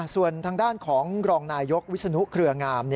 ส่วนทางด้านของรองนายยกวิศนุเครืองาม